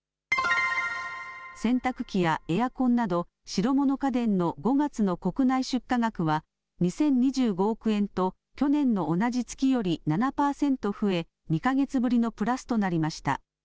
洗濯機やエアコンなど、白物家電の５月の国内出荷額は２０２５億円と去年の同じ月より７％増え、２か月ぶりのプラスとなりました。